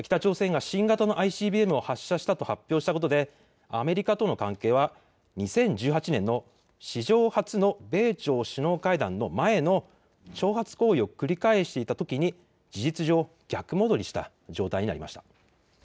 北朝鮮が新型のＩＣＢＭを発射したと発表したことでアメリカとの関係は２０１８年の史上初の米朝首脳会談の前の挑発行為を繰り返していたときに事実上、逆戻りした状態になりました。